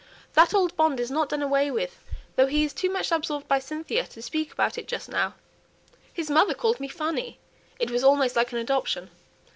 "That old bond is not done away with, though he is too much absorbed by Cynthia to speak about it just now. His mother called me 'Fanny;' it was almost like an adoption.